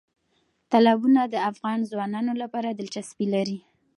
تالابونه د افغان ځوانانو لپاره دلچسپي لري.